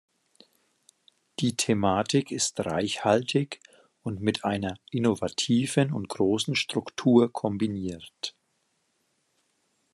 Die Thematik ist reichhaltig und mit einer innovativen und großen Struktur kombiniert.